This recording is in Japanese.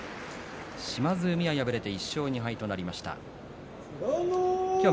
島津海、敗れて１勝２敗となりました。